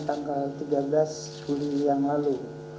tanggal tiga belas juli yang lalu